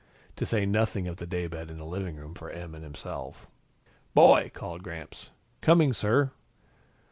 To say nothing of the daybed in the living room for Em and himself. "Boy!" called Gramps. "Coming, sir."